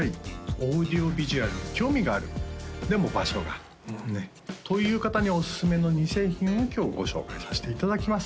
オーディオビジュアルに興味があるでも場所がねっという方におすすめの２製品を今日ご紹介させていただきます